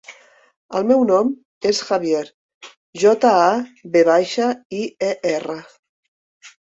El meu nom és Javier: jota, a, ve baixa, i, e, erra.